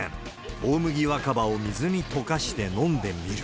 大麦若葉を水に溶かして飲んでみる。